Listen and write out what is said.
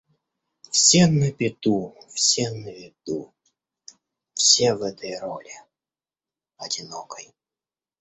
Все на беду, все на виду, Все в этой роли одинокой.